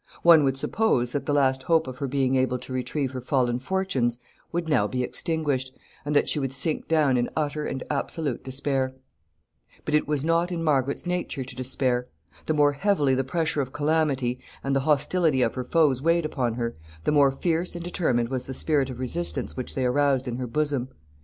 One would suppose that the last hope of her being able to retrieve her fallen fortunes would now be extinguished, and that she would sink down in utter and absolute despair. [Sidenote: Her spirit revives.] [Sidenote: Battle of Hexham.] [Sidenote: The king's escape.] But it was not in Margaret's nature to despair. The more heavily the pressure of calamity and the hostility of her foes weighed upon her, the more fierce and determined was the spirit of resistance which they aroused in her bosom.